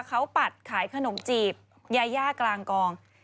เขาปัดขายขนมจีบยาย่ากลางกอง